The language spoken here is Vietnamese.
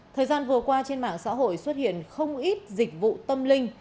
thời gian vừa qua trên mạng xã hội xuất hiện không ít dịch vụ tâm linh